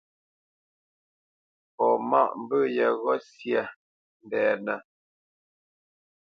Fɔ mâʼ mbə̂ yeghó syâ mbɛ́nə̄.